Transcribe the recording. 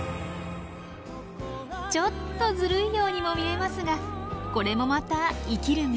ちょっとずるいようにも見えますがこれもまた生きる道。